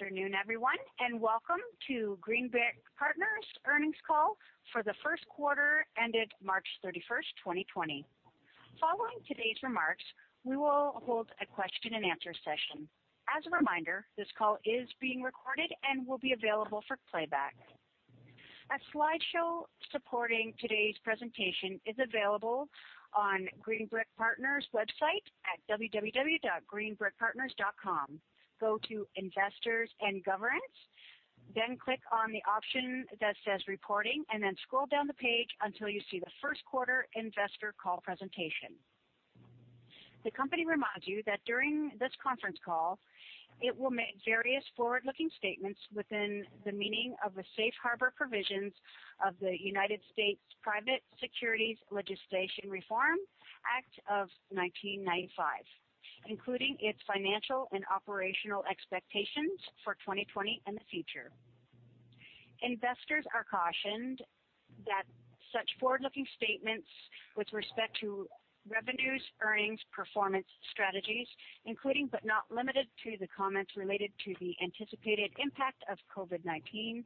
Good afternoon, everyone, and welcome to Green Brick Partners' earnings call for the first quarter ended March 31, 2020. Following today's remarks, we will hold a question-and-answer session. As a reminder, this call is being recorded and will be available for playback. A slideshow supporting today's presentation is available on Green Brick Partners' website at www.greenbrickpartners.com. Go to Investors and Governance, then click on the option that says Reporting, and then scroll down the page until you see the first quarter investor call presentation. The company reminds you that during this conference call, it will make various forward-looking statements within the meaning of the safe harbor provisions of the United States Private Securities Legislation Reform Act of 1995, including its financial and operational expectations for 2020 and the future. Investors are cautioned that such forward-looking statements with respect to revenues, earnings, performance strategies, including but not limited to the comments related to the anticipated impact of COVID-19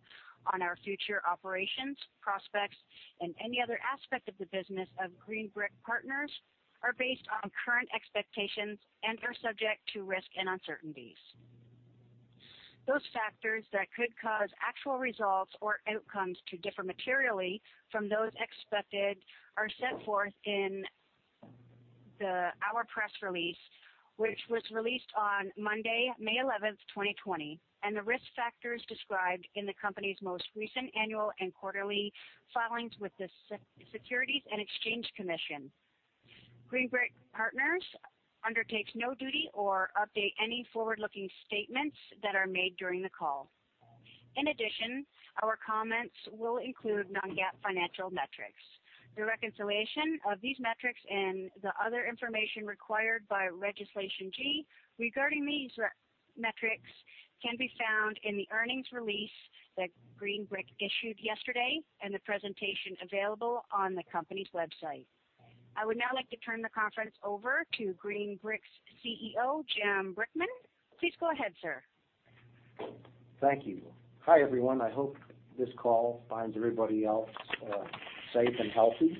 on our future operations, prospects, and any other aspect of the business of Green Brick Partners, are based on current expectations and are subject to risk and uncertainties. Those factors that could cause actual results or outcomes to differ materially from those expected are set forth in our press release, which was released on Monday, May 11th, 2020, and the risk factors described in the company's most recent annual and quarterly filings with the Securities and Exchange Commission. Green Brick Partners undertakes no duty or updates any forward-looking statements that are made during the call. In addition, our comments will include non-GAAP financial metrics. The reconciliation of these metrics and the other information required by legislation G regarding these metrics can be found in the earnings release that Green Brick Partners issued yesterday and the presentation available on the company's website. I would now like to turn the conference over to Green Brick Partners' CEO, Jim Brickman. Please go ahead, sir. Thank you. Hi, everyone. I hope this call finds everybody else safe and healthy.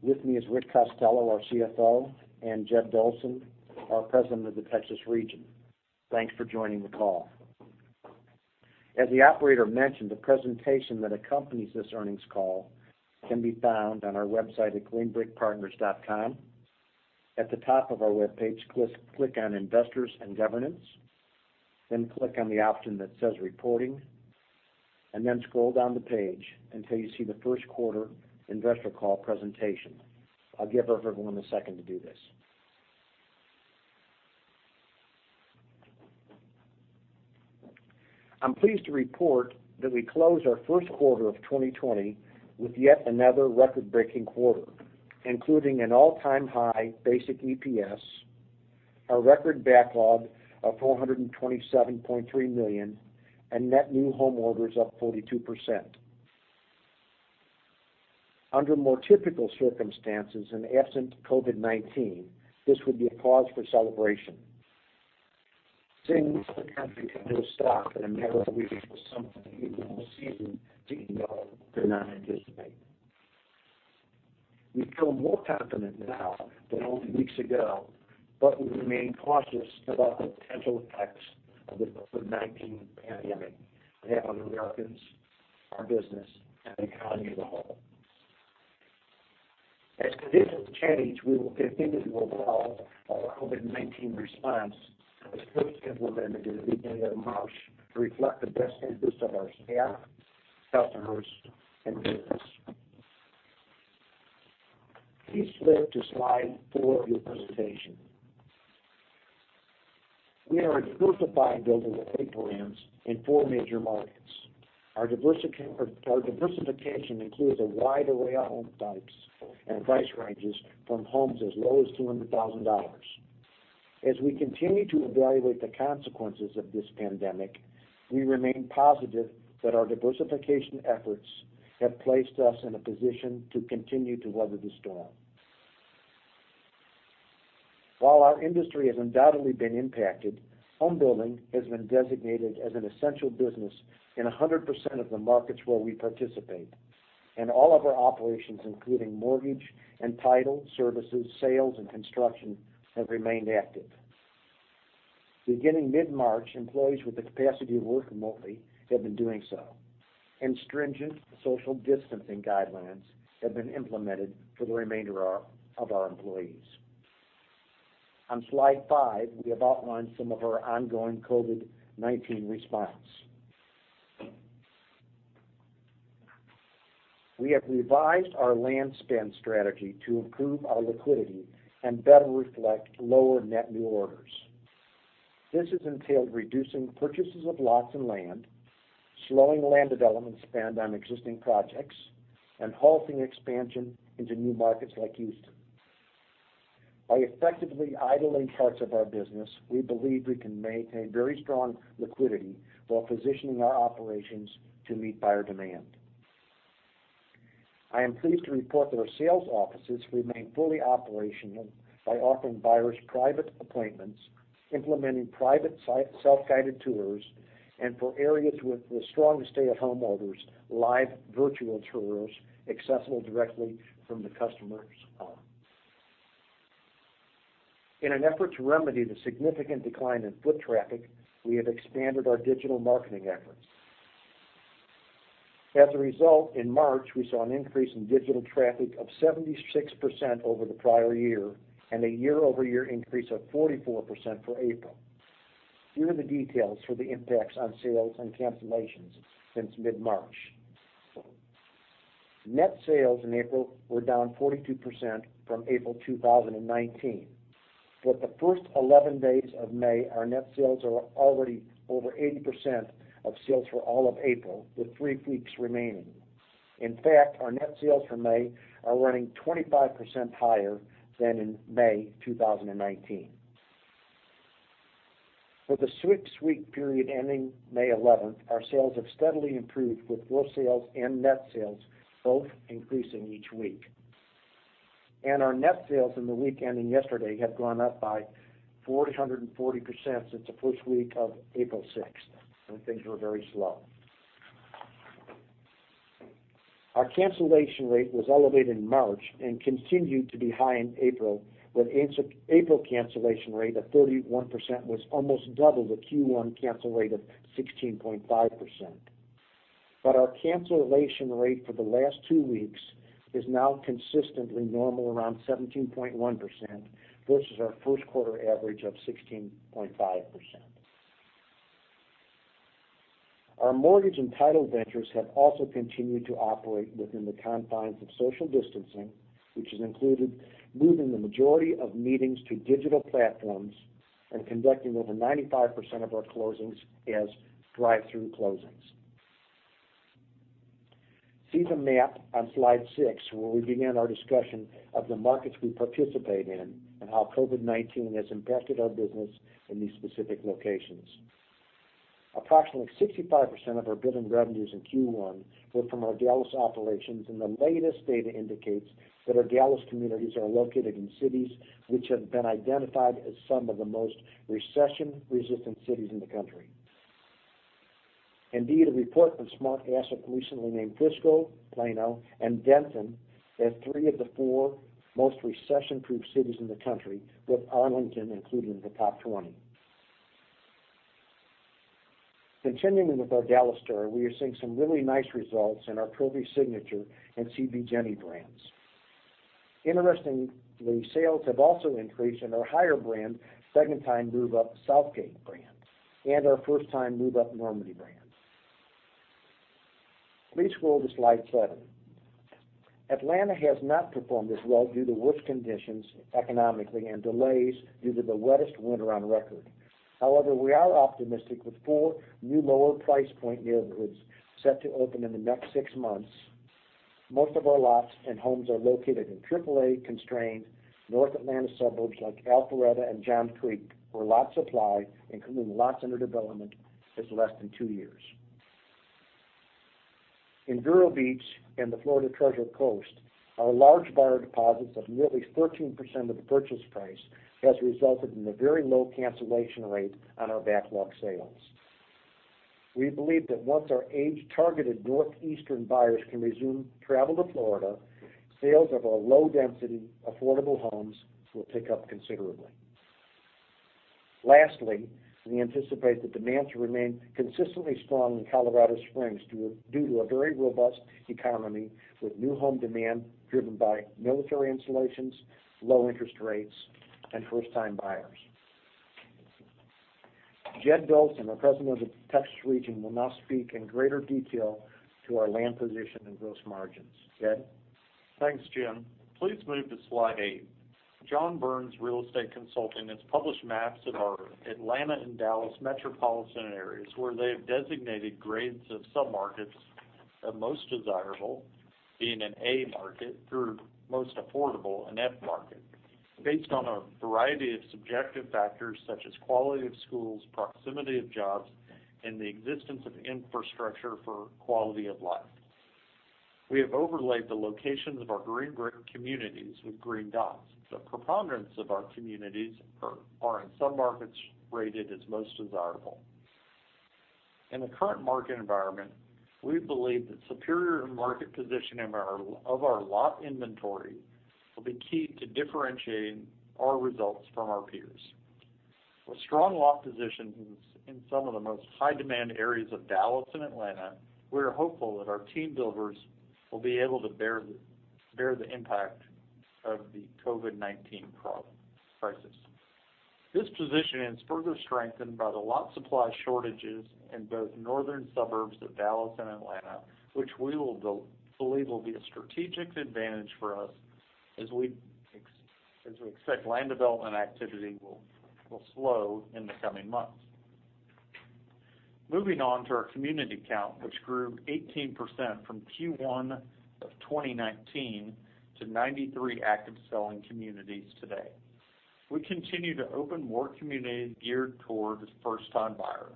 With me is Rick Costello, our CFO, and Jed Dolson, our President of the Texas region. Thanks for joining the call. As the operator mentioned, the presentation that accompanies this earnings call can be found on our website at greenbrickpartners.com. At the top of our web page, click on Investors and Governance, then click on the option that says Reporting, and then scroll down the page until you see the first quarter investor call presentation. I'll give everyone a second to do this. I'm pleased to report that we closed our first quarter of 2020 with yet another record-breaking quarter, including an all-time high basic EPS, a record backlog of $427.3 million, and net new home orders up 42%. Under more typical circumstances and absent COVID-19, this would be a cause for celebration. Seeing what happened to the stock in a matter of weeks was something we will see the DEO deny and dismiss. We feel more confident now than only weeks ago, but we remain cautious about the potential effects of the COVID-19 pandemic that have on Americans, our business, and the economy as a whole. As conditions change, we will continue to evolve our COVID-19 response as first implemented at the beginning of March to reflect the best interests of our staff, customers, and business. Please flip to slide four of your presentation. We are a diversified building with paper rings in four major markets. Our diversification includes a wide array of home types and price ranges from homes as low as $200,000. As we continue to evaluate the consequences of this pandemic, we remain positive that our diversification efforts have placed us in a position to continue to weather the storm. While our industry has undoubtedly been impacted, home building has been designated as an essential business in 100% of the markets where we participate, and all of our operations, including mortgage and title services, sales, and construction, have remained active. Beginning mid-March, employees with the capacity to work remotely have been doing so, and stringent social distancing guidelines have been implemented for the remainder of our employees. On slide five, we have outlined some of our ongoing COVID-19 response. We have revised our land spend strategy to improve our liquidity and better reflect lower net new orders. This has entailed reducing purchases of lots and land, slowing land development spend on existing projects, and halting expansion into new markets like Houston. By effectively idling parts of our business, we believe we can maintain very strong liquidity while positioning our operations to meet buyer demand. I am pleased to report that our sales offices remain fully operational by offering buyers private appointments, implementing private self-guided tours, and for areas with the strongest stay-at-home orders, live virtual tours accessible directly from the customer's home. In an effort to remedy the significant decline in foot traffic, we have expanded our digital marketing efforts. As a result, in March, we saw an increase in digital traffic of 76% over the prior year and a year-over-year increase of 44% for April. Here are the details for the impacts on sales and cancellations since mid-March. Net sales in April were down 42% from April 2019. For the first 11 days of May, our net sales are already over 80% of sales for all of April, with three weeks remaining. In fact, our net sales for May are running 25% higher than in May 2019. For the six-week period ending May 11th, our sales have steadily improved, with gross sales and net sales both increasing each week. Our net sales in the week ending yesterday have gone up by 440% since the first week of April 6th, when things were very slow. Our cancellation rate was elevated in March and continued to be high in April, with April cancellation rate of 31%, which almost doubled the Q1 cancel rate of 16.5%. Our cancellation rate for the last two weeks is now consistently normal, around 17.1%, versus our first quarter average of 16.5%. Our mortgage and title ventures have also continued to operate within the confines of social distancing, which has included moving the majority of meetings to digital platforms and conducting over 95% of our closings as drive-through closings. See the map on slide six where we begin our discussion of the markets we participate in and how COVID-19 has impacted our business in these specific locations. Approximately 65% of our building revenues in Q1 were from our Dallas operations, and the latest data indicates that our Dallas communities are located in cities which have been identified as some of the most recession-resistant cities in the country. Indeed, a report from Smart Asset recently named Frisco, Plano, and Denton as three of the four most recession-proof cities in the country, with Arlington included in the top 20. Continuing with our Dallas story, we are seeing some really nice results in our Kirby Signature and CB JENNY HOMES brands. Interestingly, sales have also increased in our higher brand, second-time move-up Southgate Homes brand, and our first-time move-up Normandy Homes brand. Please scroll to slide seven. Atlanta has not performed as well due to worse conditions economically and delays due to the wettest winter on record. However, we are optimistic with four new lower-price point neighborhoods set to open in the next six months. Most of our lots and homes are located in AAA constrained North Atlanta suburbs like Alpharetta and Johns Creek, where lot supply, including lots under development, is less than two years. In Vero Beach and the Florida Treasure Coast, our large buyer deposits of nearly 13% of the purchase price have resulted in a very low cancellation rate on our backlog sales. We believe that once our age-targeted northeastern buyers can resume travel to Florida, sales of our low-density affordable homes will pick up considerably. Lastly, we anticipate the demand to remain consistently strong in Colorado Springs due to a very robust economy, with new home demand driven by military installations, low interest rates, and first-time buyers. Jed Dolson, our President of the Texas region, will now speak in greater detail to our land position and gross margins. Jed? Thanks, Jim. Please move to slide eight. John Byrnes Real Estate Consulting has published maps of our Atlanta and Dallas metropolitan areas where they have designated grades of submarkets of most desirable, being an A market, through most affordable, an F market, based on a variety of subjective factors such as quality of schools, proximity of jobs, and the existence of infrastructure for quality of life. We have overlaid the locations of our Green Brick communities with green dots. The preponderance of our communities are in submarkets rated as most desirable. In the current market environment, we believe that superior market positioning of our lot inventory will be key to differentiating our results from our peers. With strong lot positions in some of the most high-demand areas of Dallas and Atlanta, we are hopeful that our team builders will be able to bear the impact of the COVID-19 crisis. This position is further strengthened by the lot supply shortages in both northern suburbs of Dallas and Atlanta, which we believe will be a strategic advantage for us as we expect land development activity will slow in the coming months. Moving on to our community count, which grew 18% from Q1 of 2019 to 93 active selling communities today. We continue to open more communities geared toward first-time buyers.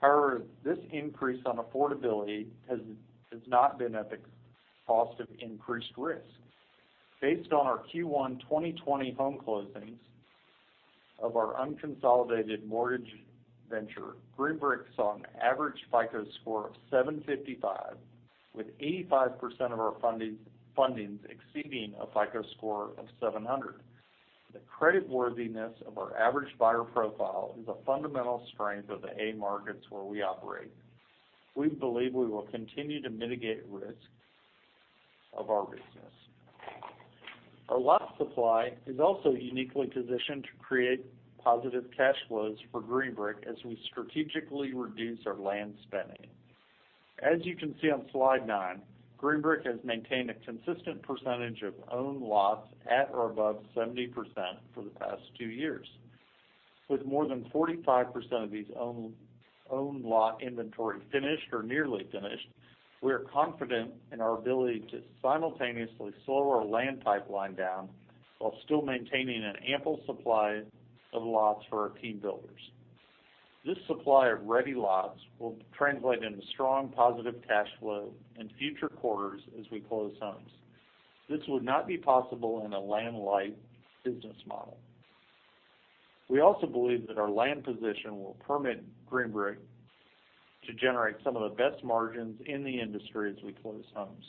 However, this increase in affordability has not been at the cost of increased risk. Based on our Q1 2020 home closings of our unconsolidated mortgage venture, Green Brick saw an average FICO score of 755, with 85% of our fundings exceeding a FICO score of 700. The creditworthiness of our average buyer profile is a fundamental strength of the A markets where we operate. We believe we will continue to mitigate risk of our business. Our lot supply is also uniquely positioned to create positive cash flows for Green Brick as we strategically reduce our land spending. As you can see on slide nine, Green Brick has maintained a consistent percentage of owned lots at or above 70% for the past two years. With more than 45% of these owned lot inventory finished or nearly finished, we are confident in our ability to simultaneously slow our land pipeline down while still maintaining an ample supply of lots for our team builders. This supply of ready lots will translate into strong positive cash flow in future quarters as we close homes. This would not be possible in a land-light business model. We also believe that our land position will permit Green Brick to generate some of the best margins in the industry as we close homes.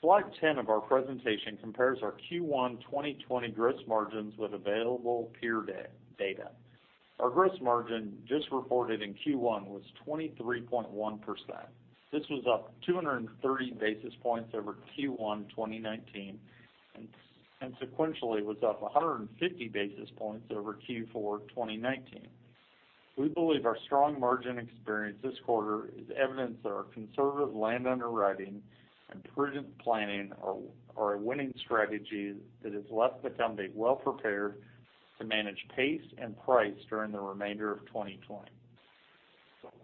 Slide 10 of our presentation compares our Q1 2020 gross margins with available peer data. Our gross margin just reported in Q1 was 23.1%. This was up 230 basis points over Q1 2019 and sequentially was up 150 basis points over Q4 2019. We believe our strong margin experience this quarter is evidence that our conservative land underwriting and prudent planning are a winning strategy that has left the company well prepared to manage pace and price during the remainder of 2020.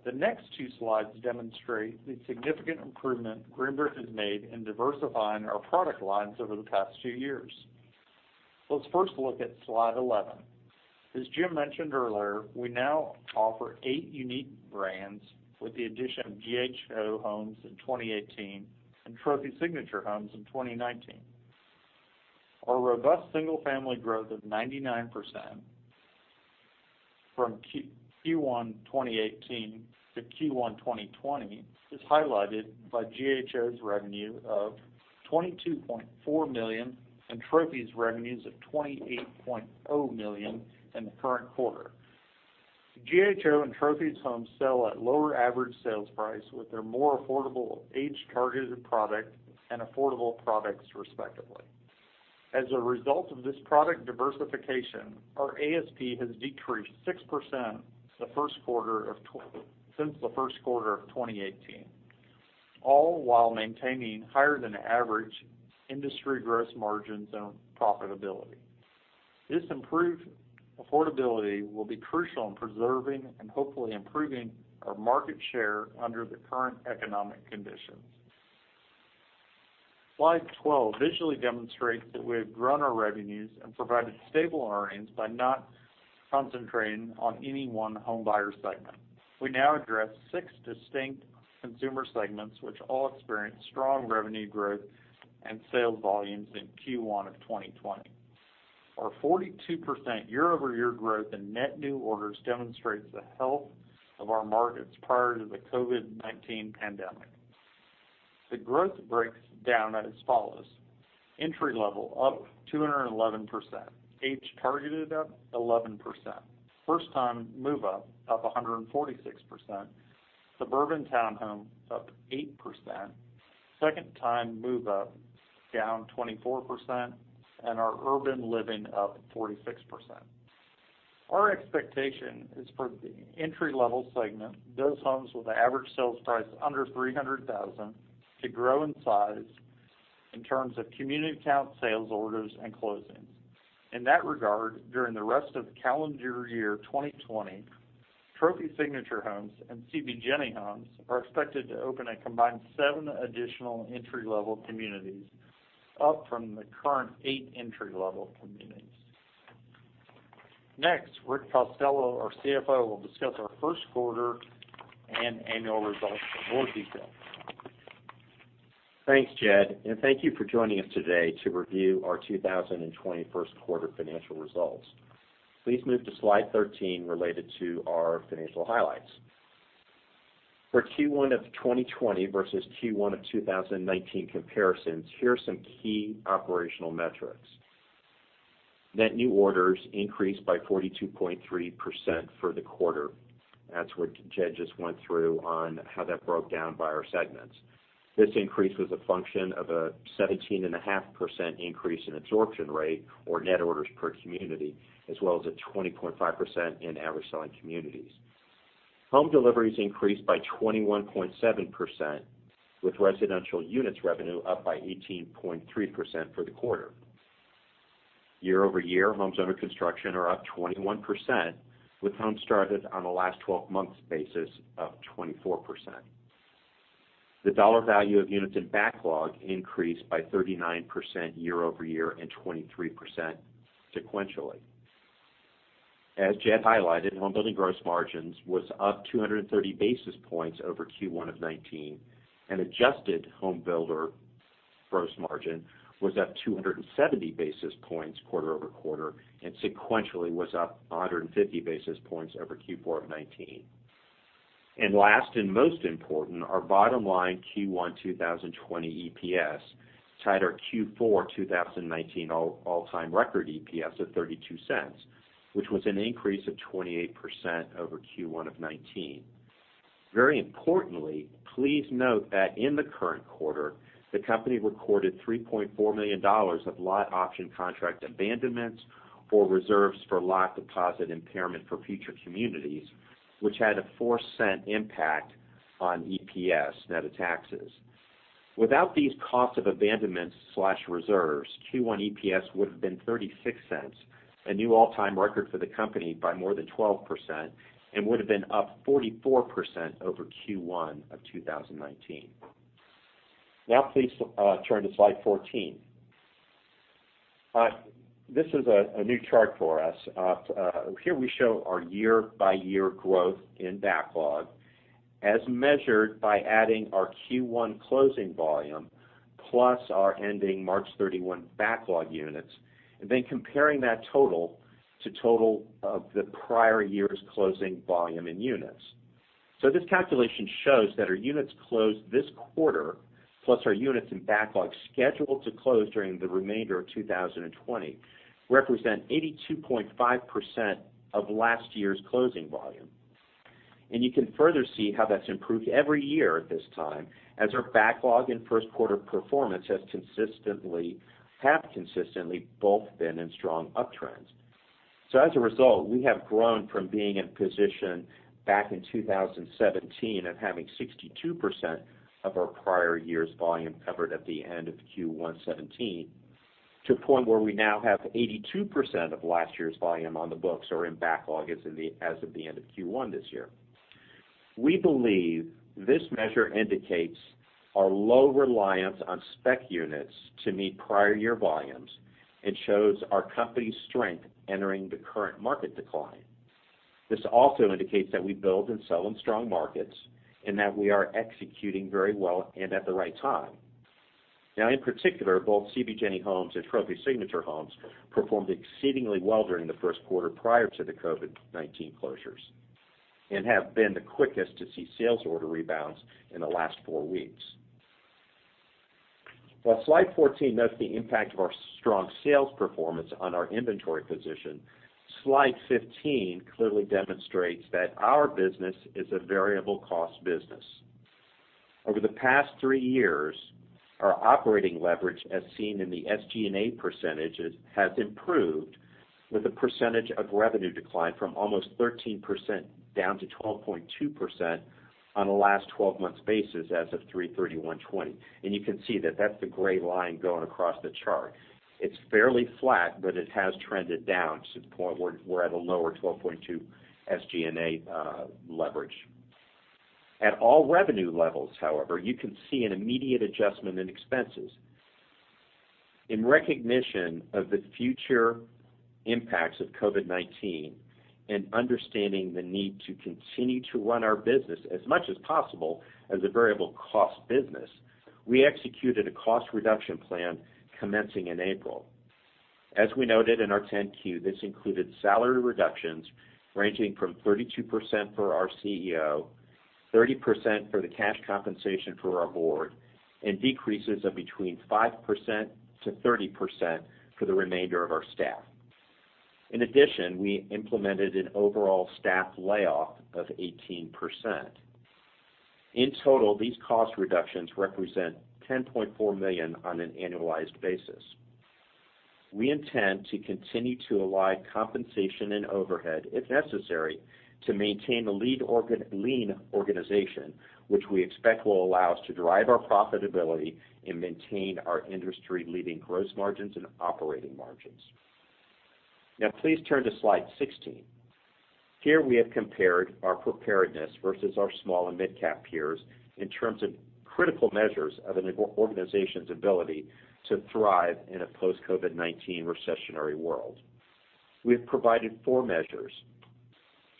The next two slides demonstrate the significant improvement Green Brick Partners has made in diversifying our product lines over the past two years. Let's first look at slide 11. As Jim mentioned earlier, we now offer eight unique brands with the addition of GHO Homes in 2018 and Trophy Signature Homes in 2019. Our robust single-family growth of 99% from Q1 2018 to Q1 2020 is highlighted by GHO's revenue of $22.4 million and Trophy's revenues of $28.0 million in the current quarter. GHO and Trophy's homes sell at lower average sales price with their more affordable age-targeted product and affordable products, respectively. As a result of this product diversification, our ASP has decreased 6% since the first quarter of 2018, all while maintaining higher-than-average industry gross margins and profitability. This improved affordability will be crucial in preserving and hopefully improving our market share under the current economic conditions. Slide 12 visually demonstrates that we have grown our revenues and provided stable earnings by not concentrating on any one home buyer segment. We now address six distinct consumer segments, which all experienced strong revenue growth and sales volumes in Q1 of 2020. Our 42% year-over-year growth in net new orders demonstrates the health of our markets prior to the COVID-19 pandemic. The growth breaks down as follows: entry level up 211%, age-targeted up 11%, first-time move-up up 146%, suburban townhome up 8%, second-time move-up down 24%, and our urban living up 46%. Our expectation is for the entry-level segment, those homes with an average sales price under $300,000, to grow in size in terms of community-count sales orders and closings. In that regard, during the rest of calendar year 2020, Trophy Signature Homes and CB JENNY HOMES are expected to open a combined seven additional entry-level communities up from the current eight entry-level communities. Next, Rick Costello, our CFO, will discuss our first quarter and annual results in more detail. Thanks, Jed. Thank you for joining us today to review our 2020 first quarter financial results. Please move to slide 13 related to our financial highlights. For Q1 of 2020 versus Q1 of 2019 comparisons, here are some key operational metrics. Net new orders increased by 42.3% for the quarter, as what Jed just went through on how that broke down by our segments. This increase was a function of a 17.5% increase in absorption rate or net orders per community, as well as a 20.5% in average selling communities. Home deliveries increased by 21.7%, with residential units revenue up by 18.3% for the quarter. Year-over-year, homes under construction are up 21%, with homes started on a last 12-month basis up 24%. The dollar value of units in backlog increased by 39% year-over-year and 23% sequentially. As Jed highlighted, home building gross margins was up 230 basis points over Q1 of 2019, and adjusted home builder gross margin was up 270 basis points quarter over quarter and sequentially was up 150 basis points over Q4 of 2019. Last and most important, our bottom line Q1 2020 EPS tied our Q4 2019 all-time record EPS of $0.32, which was an increase of 28% over Q1 of 2019. Very importantly, please note that in the current quarter, the company recorded $3.4 million of lot option contract abandonments or reserves for lot deposit impairment for future communities, which had a $0.04 impact on EPS, net of taxes. Without these costs of abandonments/reserves, Q1 EPS would have been $0.36, a new all-time record for the company by more than 12%, and would have been up 44% over Q1 of 2019. Now, please turn to slide 14. This is a new chart for us. Here we show our year-by-year growth in backlog as measured by adding our Q1 closing volume plus our ending March 31 backlog units, and then comparing that total to the total of the prior year's closing volume in units. This calculation shows that our units closed this quarter plus our units in backlog scheduled to close during the remainder of 2020 represent 82.5% of last year's closing volume. You can further see how that has improved every year at this time as our backlog and first quarter performance have consistently both been in strong uptrends. As a result, we have grown from being in position back in 2017 and having 62% of our prior year's volume covered at the end of Q1 2017 to a point where we now have 82% of last year's volume on the books or in backlog as of the end of Q1 this year. We believe this measure indicates our low reliance on spec units to meet prior year volumes and shows our company's strength entering the current market decline. This also indicates that we build and sell in strong markets and that we are executing very well and at the right time. In particular, both CB JENNY HOMES and TROPHY SIGNATURE HOMES performed exceedingly well during the first quarter prior to the COVID-19 closures and have been the quickest to see sales order rebounds in the last four weeks. While slide 14 notes the impact of our strong sales performance on our inventory position, slide 15 clearly demonstrates that our business is a variable cost business. Over the past three years, our operating leverage, as seen in the SG&A percentages, has improved with a percentage of revenue decline from almost 13% down to 12.2% on a last 12-month basis as of 3/31/2020. You can see that that's the gray line going across the chart. It's fairly flat, but it has trended down to the point where we're at a lower 12.2% SG&A leverage. At all revenue levels, however, you can see an immediate adjustment in expenses. In recognition of the future impacts of COVID-19 and understanding the need to continue to run our business as much as possible as a variable cost business, we executed a cost reduction plan commencing in April. As we noted in our 10Q, this included salary reductions ranging from 32% for our CEO, 30% for the cash compensation for our board, and decreases of between 5%-30% for the remainder of our staff. In addition, we implemented an overall staff layoff of 18%. In total, these cost reductions represent $10.4 million on an annualized basis. We intend to continue to align compensation and overhead, if necessary, to maintain a lean organization, which we expect will allow us to drive our profitability and maintain our industry-leading gross margins and operating margins. Now, please turn to slide 16. Here we have compared our preparedness versus our small and mid-cap peers in terms of critical measures of an organization's ability to thrive in a post-COVID-19 recessionary world. We have provided four measures.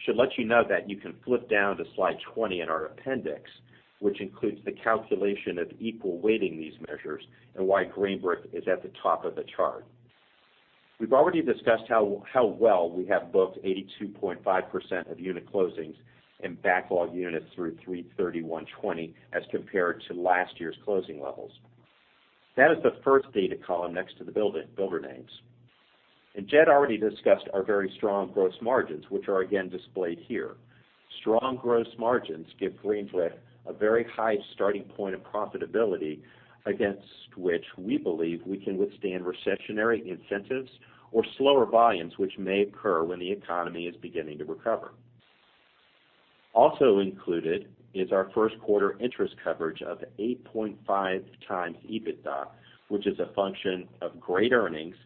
Should let you know that you can flip down to slide 20 in our appendix, which includes the calculation of equal weighting these measures and why Green Brick is at the top of the chart. We've already discussed how well we have booked 82.5% of unit closings and backlog units through 3/31/2020 as compared to last year's closing levels. That is the first data column next to the builder names. Jed already discussed our very strong gross margins, which are again displayed here. Strong gross margins give Green Brick a very high starting point of profitability against which we believe we can withstand recessionary incentives or slower volumes, which may occur when the economy is beginning to recover. Also included is our first quarter interest coverage of 8.5 times EBITDA, which is a function of great earnings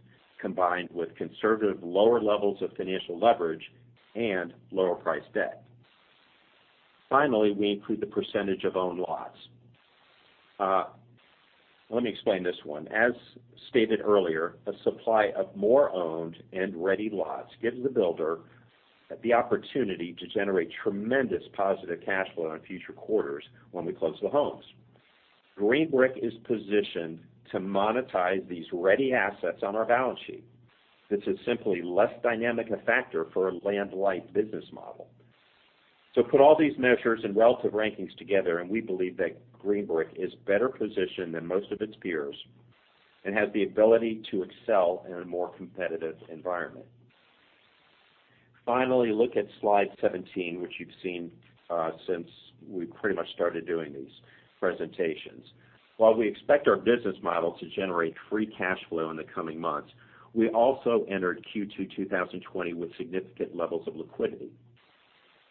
combined with conservative lower levels of financial leverage and lower price debt. Finally, we include the percentage of owned lots. Let me explain this one. As stated earlier, a supply of more owned and ready lots gives the builder the opportunity to generate tremendous positive cash flow in future quarters when we close the homes. Green Brick is positioned to monetize these ready assets on our balance sheet. This is simply less dynamic a factor for a land-like business model. Put all these measures and relative rankings together, and we believe that Green Brick is better positioned than most of its peers and has the ability to excel in a more competitive environment. Finally, look at slide 17, which you have seen since we pretty much started doing these presentations. While we expect our business model to generate free cash flow in the coming months, we also entered Q2 2020 with significant levels of liquidity.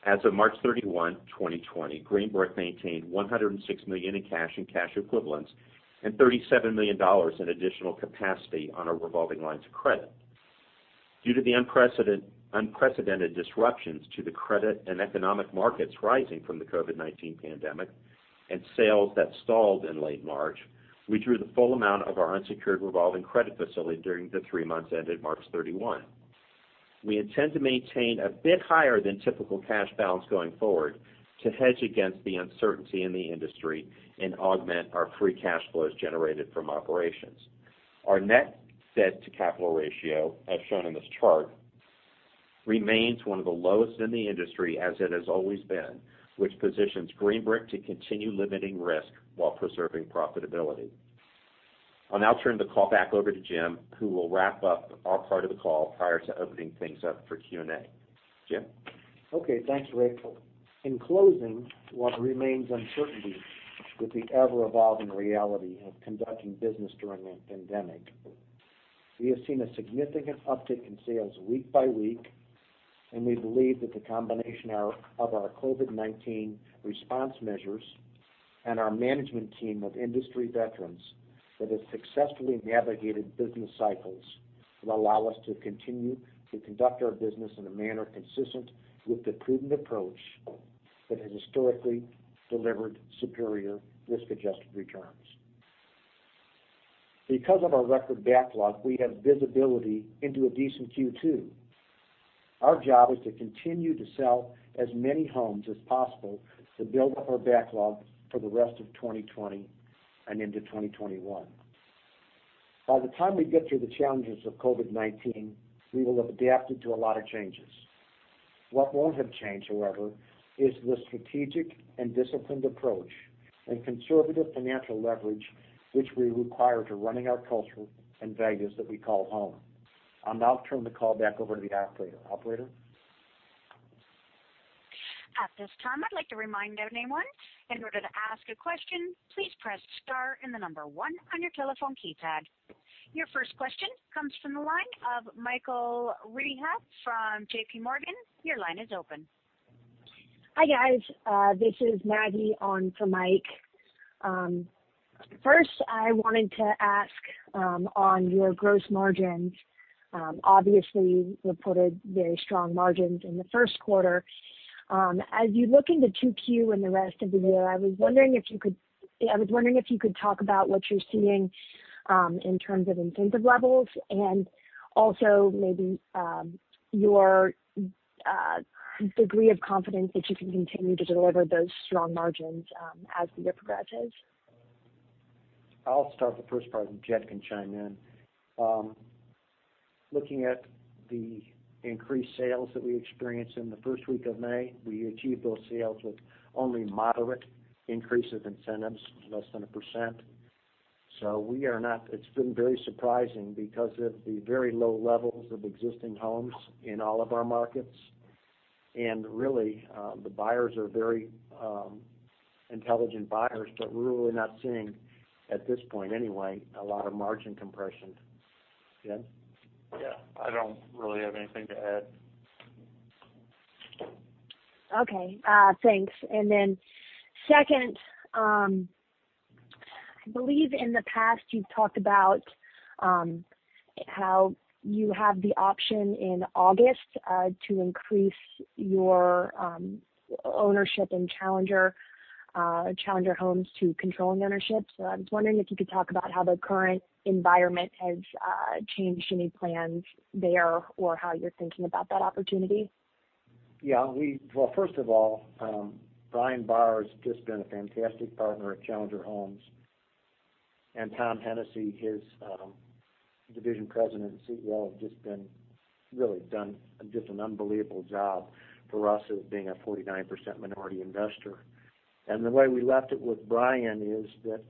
As of March 31, 2020, Green Brick maintained $106 million in cash and cash equivalents and $37 million in additional capacity on our revolving lines of credit. Due to the unprecedented disruptions to the credit and economic markets arising from the COVID-19 pandemic and sales that stalled in late March, we drew the full amount of our unsecured revolving credit facility during the three months ended March 31. We intend to maintain a bit higher than typical cash balance going forward to hedge against the uncertainty in the industry and augment our free cash flows generated from operations. Our net debt-to-capital ratio, as shown in this chart, remains one of the lowest in the industry as it has always been, which positions Green Brick to continue limiting risk while preserving profitability. I'll now turn the call back over to Jim, who will wrap up our part of the call prior to opening things up for Q&A. Jim? Okay. Thanks, Rick. In closing, while there remains uncertainty with the ever-evolving reality of conducting business during the pandemic, we have seen a significant uptick in sales week by week, and we believe that the combination of our COVID-19 response measures and our management team of industry veterans that has successfully navigated business cycles will allow us to continue to conduct our business in a manner consistent with the prudent approach that has historically delivered superior risk-adjusted returns. Because of our record backlog, we have visibility into a decent Q2. Our job is to continue to sell as many homes as possible to build up our backlog for the rest of 2020 and into 2021. By the time we get through the challenges of COVID-19, we will have adapted to a lot of changes. What won't have changed, however, is the strategic and disciplined approach and conservative financial leverage, which we require to running our culture and values that we call home. I'll now turn the call back over to the operator. Operator? At this time, I'd like to remind everyone, in order to ask a question, please press star and the number one on your telephone keypad. Your first question comes from the line of Michael Rehaut from JPMorgan. Your line is open. Hi, guys. This is Maggie on from Mike. First, I wanted to ask on your gross margins. Obviously, you reported very strong margins in the first quarter. As you look into Q2 and the rest of the year, I was wondering if you could—I was wondering if you could talk about what you're seeing in terms of incentive levels and also maybe your degree of confidence that you can continue to deliver those strong margins as the year progresses. I'll start the first part, and Jed can chime in. Looking at the increased sales that we experienced in the first week of May, we achieved those sales with only moderate increases in incentives, less than 1%. We are not—it's been very surprising because of the very low levels of existing homes in all of our markets. The buyers are very intelligent buyers, but we're really not seeing, at this point anyway, a lot of margin compression. Jed? Yeah. I do not really have anything to add. Okay. Thanks. I believe in the past you've talked about how you have the option in August to increase your ownership in Challenger Homes to controlling ownership. I was wondering if you could talk about how the current environment has changed any plans there or how you're thinking about that opportunity. Yeah. First of all, Brian Barr has just been a fantastic partner at Challenger Homes. Tom Hennessey, his Division President and CEO, have just really done an unbelievable job for us as being a 49% minority investor. The way we left it with Brian is that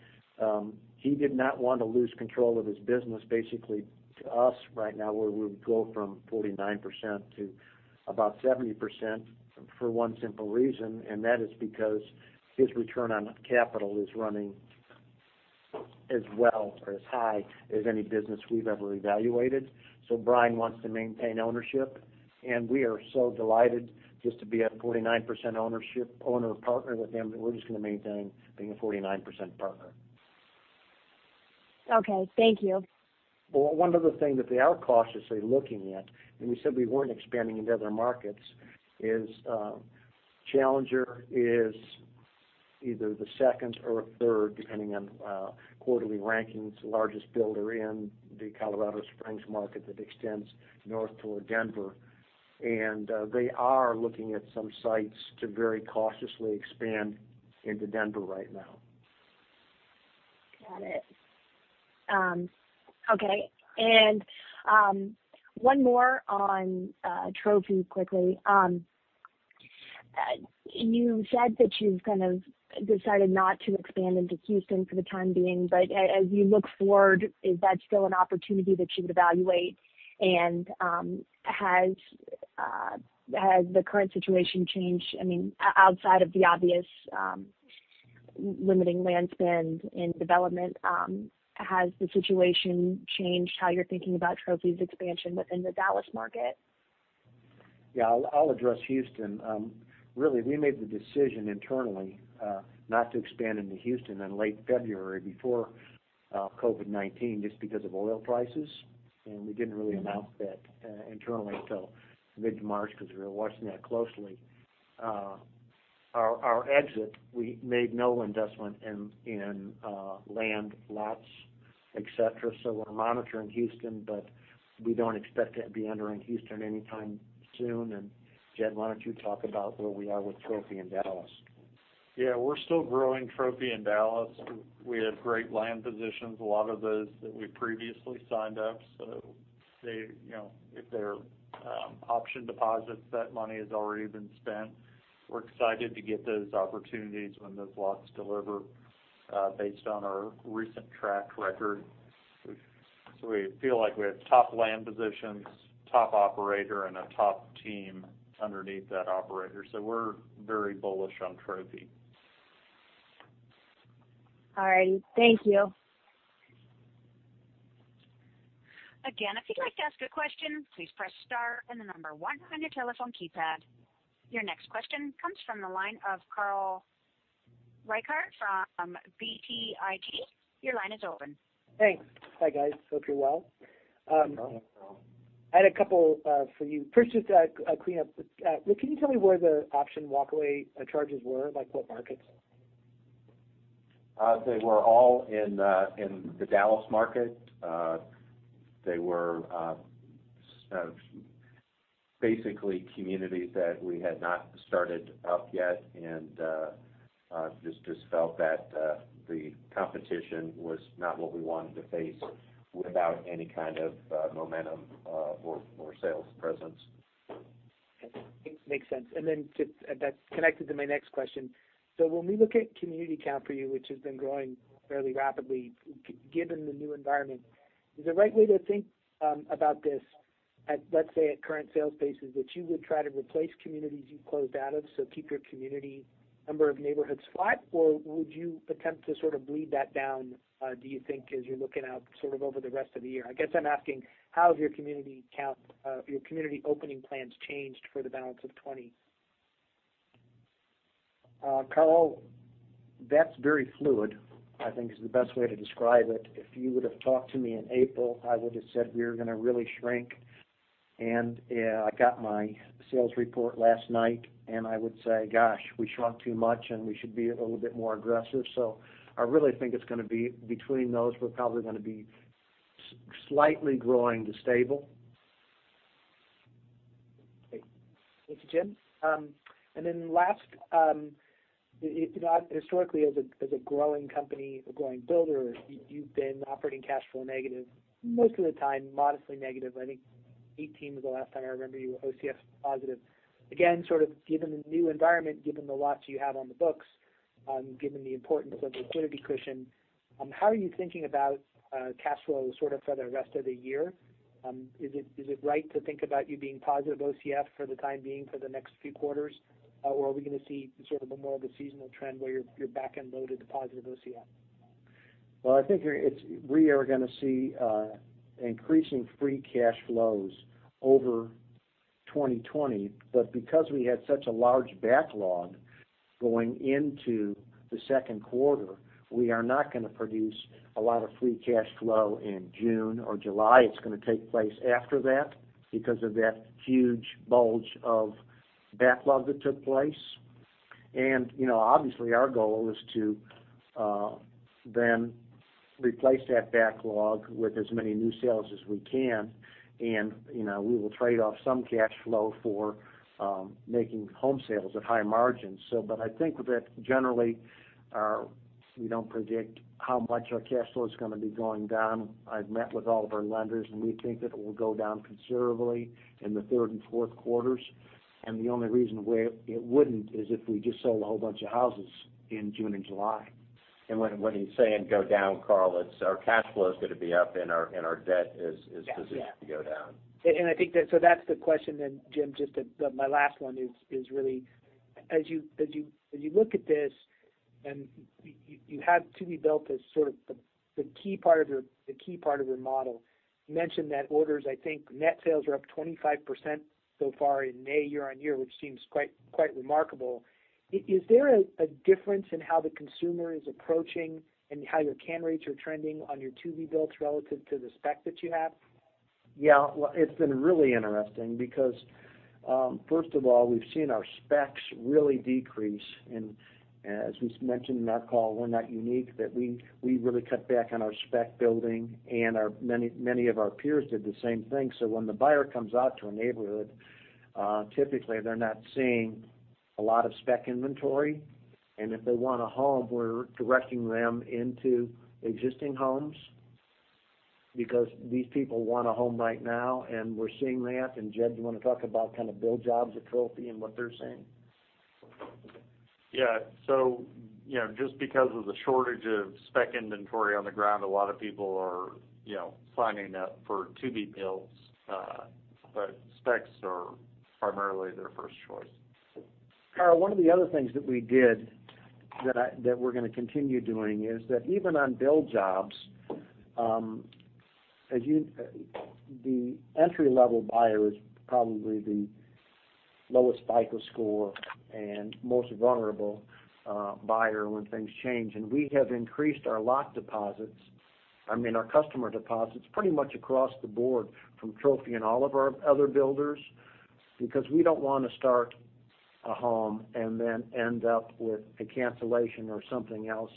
he did not want to lose control of his business. Basically, to us right now, we would go from 49% to about 70% for one simple reason, and that is because his return on capital is running as well or as high as any business we've ever evaluated. Brian wants to maintain ownership, and we are so delighted just to be a 49% owner partner with him that we're just going to maintain being a 49% partner. Okay. Thank you. One other thing that we are cautiously looking at, and we said we were not expanding into other markets, is Challenger is either the second or third, depending on quarterly rankings, largest builder in the Colorado Springs market that extends north toward Denver. They are looking at some sites to very cautiously expand into Denver right now. Got it. Okay. And one more on Trophy quickly. You said that you've kind of decided not to expand into Houston for the time being, but as you look forward, is that still an opportunity that you would evaluate? And has the current situation changed? I mean, outside of the obvious limiting land spend and development, has the situation changed how you're thinking about Trophy's expansion within the Dallas market? Yeah. I'll address Houston. Really, we made the decision internally not to expand into Houston in late February before COVID-19 just because of oil prices. We did not really announce that internally until mid-March because we were watching that closely. Our exit, we made no investment in land lots, etc. We are monitoring Houston, but we do not expect to be entering Houston anytime soon. Jed, why do you not talk about where we are with Trophy in Dallas? Yeah. We're still growing Trophy in Dallas. We have great land positions, a lot of those that we previously signed up. If they're option deposits, that money has already been spent. We're excited to get those opportunities when those lots deliver based on our recent track record. We feel like we have top land positions, top operator, and a top team underneath that operator. We're very bullish on Trophy. All righty. Thank you. Again, if you'd like to ask a question, please press star and the number one on your telephone keypad. Your next question comes from the line of Carl Reichardt from BTIG. Your line is open. Thanks. Hi, guys. Hope you're well. No problem. I had a couple for you. First, just a clean-up. Can you tell me where the option walk-away charges were? What markets? They were all in the Dallas market. They were basically communities that we had not started up yet and just felt that the competition was not what we wanted to face without any kind of momentum or sales presence. Makes sense. That is connected to my next question. When we look at community count for you, which has been growing fairly rapidly, given the new environment, is there a right way to think about this, let's say, at current sales basis, that you would try to replace communities you closed out of? To keep your community number of neighborhoods flat, or would you attempt to sort of bleed that down, do you think, as you're looking out sort of over the rest of the year? I guess I'm asking how has your community count, your community opening plans changed for the balance of 2020? Carl, that's very fluid, I think, is the best way to describe it. If you would have talked to me in April, I would have said we were going to really shrink. I got my sales report last night, and I would say, "Gosh, we shrunk too much, and we should be a little bit more aggressive." I really think it's going to be between those. We're probably going to be slightly growing to stable. Thank you, Jim. Last, historically, as a growing company or growing builder, you've been operating cash flow negative most of the time, modestly negative. I think 2018 was the last time I remember you were OCF positive. Again, sort of given the new environment, given the lots you have on the books, given the importance of liquidity cushion, how are you thinking about cash flow sort of for the rest of the year? Is it right to think about you being positive OCF for the time being for the next few quarters, or are we going to see sort of more of a seasonal trend where you're back and loaded to positive OCF? I think we are going to see increasing free cash flows over 2020. Because we had such a large backlog going into the second quarter, we are not going to produce a lot of free cash flow in June or July. It is going to take place after that because of that huge bulge of backlog that took place. Obviously, our goal is to then replace that backlog with as many new sales as we can. We will trade off some cash flow for making home sales at high margins. I think that generally, we do not predict how much our cash flow is going to be going down. I have met with all of our lenders, and we think that it will go down considerably in the third and fourth quarters. The only reason why it wouldn't is if we just sold a whole bunch of houses in June and July. When he's saying go down, Carl, it's our cash flow is going to be up, and our debt is positioned to go down. I think that is the question then, Jim, just that my last one is really, as you look at this and you have to rebuild this, sort of the key part of your model. You mentioned that orders, I think net sales were up 25% so far in May year on year, which seems quite remarkable. Is there a difference in how the consumer is approaching and how your cancellation rates are trending on your to-be builds relative to the specs that you have? Yeah. It has been really interesting because, first of all, we have seen our specs really decrease. As we mentioned in our call, we are not unique that we really cut back on our spec building, and many of our peers did the same thing. When the buyer comes out to a neighborhood, typically, they are not seeing a lot of spec inventory. If they want a home, we are directing them into existing homes because these people want a home right now. We are seeing that. Jed, do you want to talk about kind of build jobs at Trophy and what they are saying? Yeah. Just because of the shortage of spec inventory on the ground, a lot of people are signing up for to-be builds. Specs are primarily their first choice. Carl, one of the other things that we did that we're going to continue doing is that even on build jobs, the entry-level buyer is probably the lowest FICO score and most vulnerable buyer when things change. I mean, we have increased our lot deposits, I mean, our customer deposits pretty much across the board from Trophy and all of our other builders because we don't want to start a home and then end up with a cancellation or something else.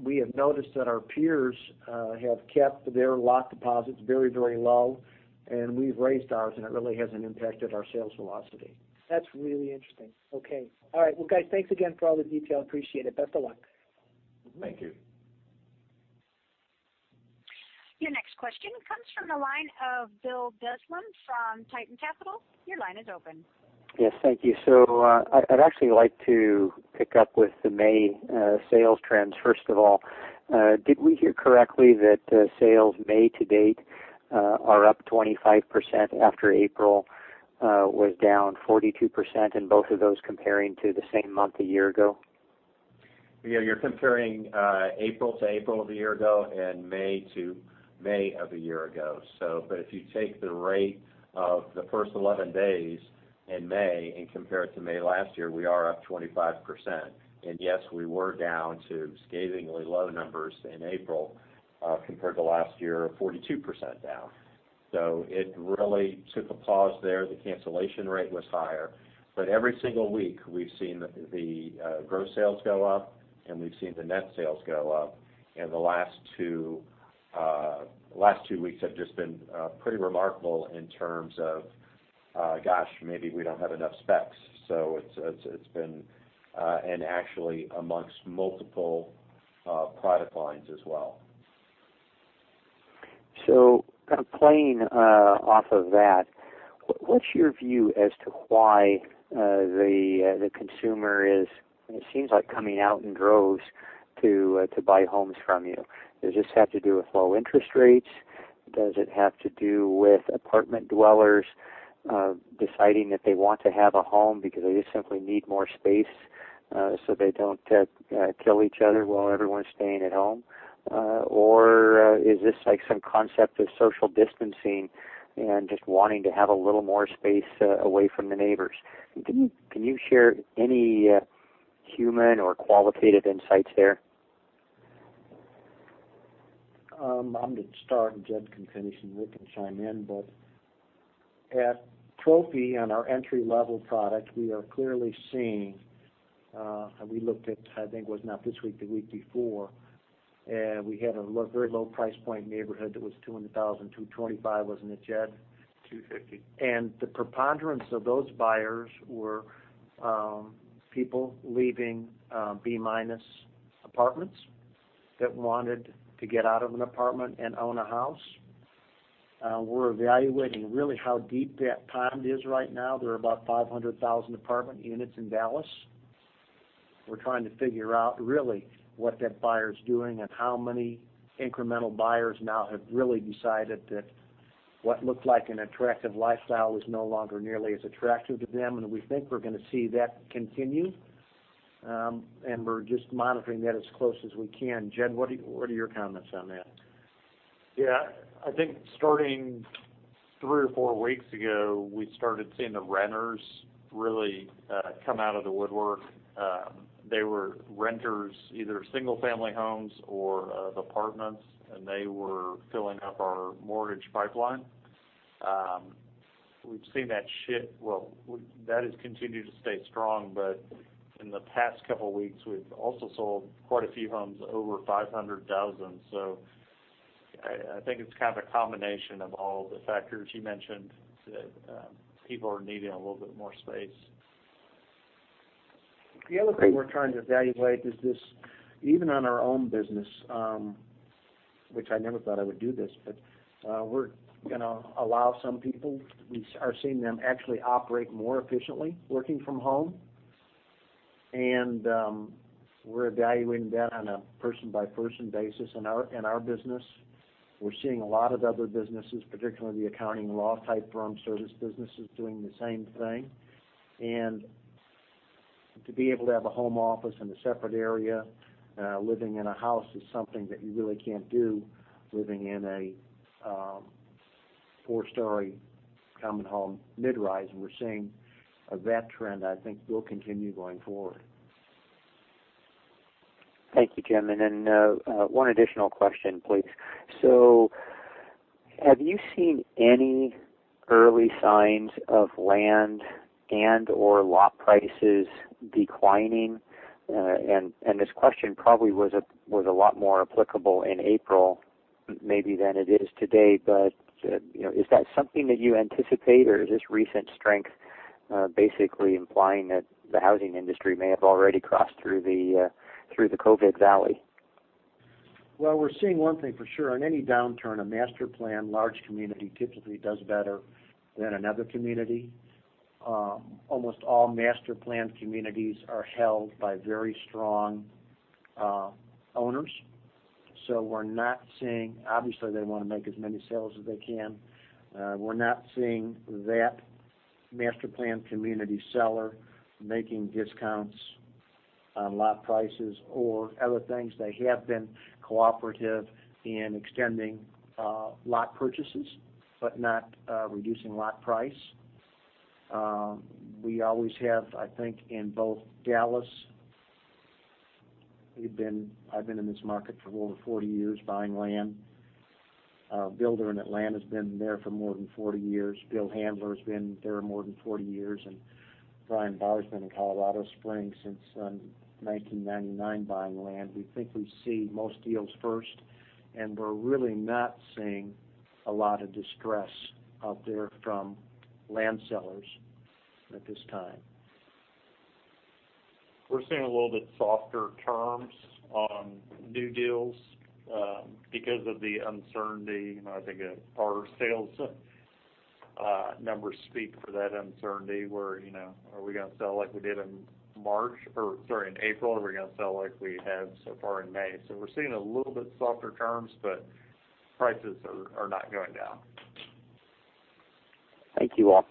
We have noticed that our peers have kept their lot deposits very, very low, and we've raised ours, and it really hasn't impacted our sales velocity. That's really interesting. Okay. All right. Guys, thanks again for all the detail. Appreciate it. Best of luck. Thank you. Your next question comes from the line of Bill Deslam from Titan Capital. Your line is open. Yes. Thank you. I'd actually like to pick up with the May sales trends, first of all. Did we hear correctly that sales May to date are up 25% after April was down 42%, in both of those comparing to the same month a year ago? Yeah. You're comparing April to April of a year ago and May to May of a year ago. If you take the rate of the first 11 days in May and compare it to May last year, we are up 25%. Yes, we were down to scathingly low numbers in April compared to last year, 42% down. It really took a pause there. The cancellation rate was higher. Every single week, we've seen the gross sales go up, and we've seen the net sales go up. The last two weeks have just been pretty remarkable in terms of, gosh, maybe we don't have enough specs. It has been actually amongst multiple product lines as well. Kind of playing off of that, what's your view as to why the consumer is, it seems like, coming out in droves to buy homes from you? Does this have to do with low interest rates? Does it have to do with apartment dwellers deciding that they want to have a home because they just simply need more space so they don't kill each other while everyone's staying at home? Is this some concept of social distancing and just wanting to have a little more space away from the neighbors? Can you share any human or qualitative insights there? I'm going to start, and Jed can finish, and Rick can chime in. At Trophy, on our entry-level product, we are clearly seeing, we looked at, I think it was not this week, the week before. We had a very low price point neighborhood that was $200,000-$225,000, wasn't it, Jed? 250. The preponderance of those buyers were people leaving B-minus apartments that wanted to get out of an apartment and own a house. We are evaluating really how deep that pond is right now. There are about 500,000 apartment units in Dallas. We are trying to figure out really what that buyer is doing and how many incremental buyers now have really decided that what looked like an attractive lifestyle is no longer nearly as attractive to them. We think we are going to see that continue. We are just monitoring that as close as we can. Jed, what are your comments on that? Yeah. I think starting three or four weeks ago, we started seeing the renters really come out of the woodwork. They were renters, either single-family homes or of apartments, and they were filling up our mortgage pipeline. We've seen that shift. That has continued to stay strong. In the past couple of weeks, we've also sold quite a few homes over $500,000. I think it's kind of a combination of all the factors you mentioned that people are needing a little bit more space. The other thing we're trying to evaluate is this, even on our own business, which I never thought I would do this, but we're going to allow some people. We are seeing them actually operate more efficiently working from home. We're evaluating that on a person-by-person basis in our business. We're seeing a lot of other businesses, particularly the accounting and law-type firm service businesses, doing the same thing. To be able to have a home office in a separate area, living in a house is something that you really can't do living in a four-story common home mid-rise. We're seeing that trend, I think, will continue going forward. Thank you, Jim. One additional question, please. Have you seen any early signs of land and/or lot prices declining? This question probably was a lot more applicable in April than it is today. Is that something that you anticipate, or is this recent strength basically implying that the housing industry may have already crossed through the COVID valley? We're seeing one thing for sure. On any downturn, a master plan, large community typically does better than another community. Almost all master planned communities are held by very strong owners. We're not seeing, obviously, they want to make as many sales as they can. We're not seeing that master planned community seller making discounts on lot prices or other things. They have been cooperative in extending lot purchases but not reducing lot price. We always have, I think, in both Dallas, I've been in this market for over 40 years buying land. Builder in Atlanta has been there for more than 40 years. Bill Handler has been there more than 40 years. Brian Barr's been in Colorado Springs since 1999 buying land. We think we see most deals first, and we're really not seeing a lot of distress out there from land sellers at this time. We're seeing a little bit softer terms on new deals because of the uncertainty. I think our sales numbers speak for that uncertainty where, are we going to sell like we did in March or, sorry, in April? Are we going to sell like we have so far in May? We're seeing a little bit softer terms, but prices are not going down. Thank you all.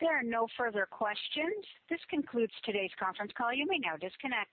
There are no further questions. This concludes today's conference call. You may now disconnect.